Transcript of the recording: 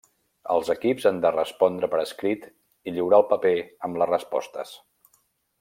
Els equips han de respondre per escrit i lliurar el paper amb les respostes.